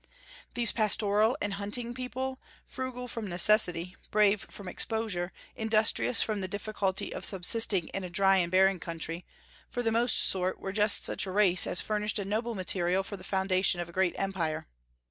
These pastoral and hunting people, frugal from necessity, brave from exposure, industrious from the difficulty of subsisting in a dry and barren country, for the most sort were just such a race as furnished a noble material for the foundation of a great empire.